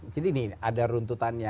jadi ini ada runtutannya